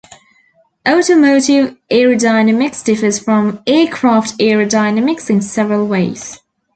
Automotive aerodynamics differs from aircraft aerodynamics in several ways.